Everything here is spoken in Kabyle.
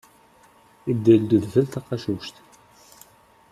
Idel-d udfel taqacuct.